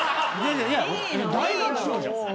大爆笑じゃん。